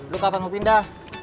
lu kapan mau pindah